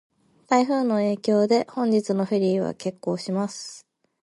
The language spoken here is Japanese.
台風の影響で、本日のフェリーは欠航します。